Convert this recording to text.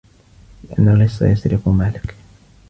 لِأَنَّ اللِّصَّ يَسْرِقُ مَالَك